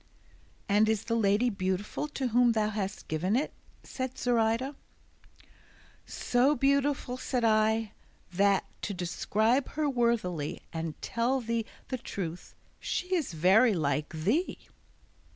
"And is the lady beautiful to whom thou hast given it?" said Zoraida. "So beautiful," said I, "that, to describe her worthily and tell thee the truth, she is very like thee."